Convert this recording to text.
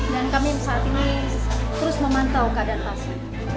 dan kami saat ini terus memantau keadaan pasien